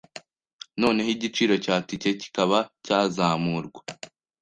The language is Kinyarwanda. noneho igiciro cya tike kikaba cyazamurwa